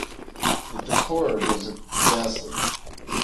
The decor was ghastly.